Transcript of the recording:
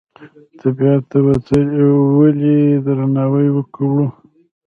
طبیعت ته ولې درناوی وکړو؟